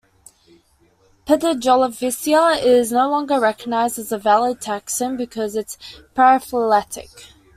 Pteridophyta is no longer recognised as a valid taxon because it is paraphyletic.